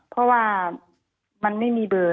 เพราะว่ามันไม่มีเบอร์